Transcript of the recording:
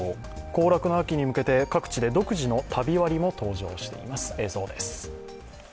行楽の秋に向けて、各地で独自の旅割も登場しています。